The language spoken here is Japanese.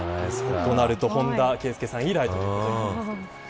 となると本田圭佑さん以来です。